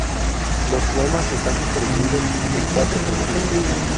Los poemas están distribuidos en cuatro conjuntos.